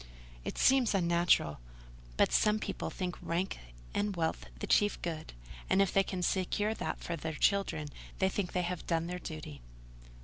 "It seems unnatural: but some people think rank and wealth the chief good; and, if they can secure that for their children, they think they have done their duty."